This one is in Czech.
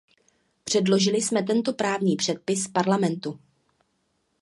Předložili jsme tento právní předpis Parlamentu.